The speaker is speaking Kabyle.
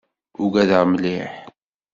Ugadeɣ mliḥ.